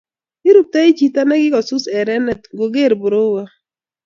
iruptoi chito nekikosus erenet ngogeer borowe